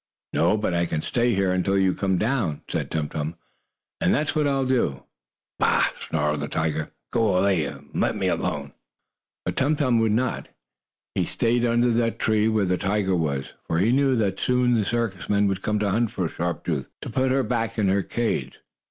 "No, but I can stay here until you come down," said Tum Tum, "and that's what I'll do." "Bah!" snarled the tiger. "Go away and let me alone!" But Tum Tum would not. He stayed under the tree where the tiger was, for he knew that soon the circus men would come to hunt for Sharp Tooth, to put her back in her cage.